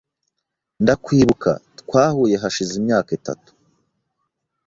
Ndakwibuka .Twahuye hashize imyaka itatu .